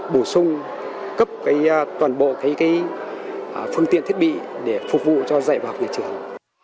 bổ sung cấp toàn bộ phương tiện thiết bị để phục vụ cho dạy và học nhà trường